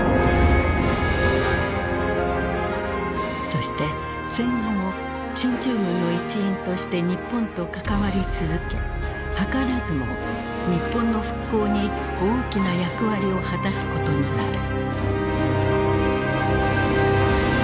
そして戦後も進駐軍の一員として日本と関わり続け図らずも日本の復興に大きな役割を果たすことになる。